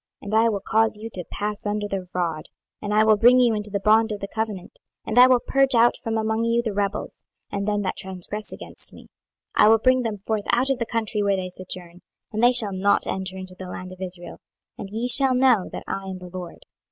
26:020:037 And I will cause you to pass under the rod, and I will bring you into the bond of the covenant: 26:020:038 And I will purge out from among you the rebels, and them that transgress against me: I will bring them forth out of the country where they sojourn, and they shall not enter into the land of Israel: and ye shall know that I am the LORD.